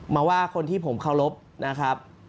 มาว่าคนที่ผมเคารพนะครับ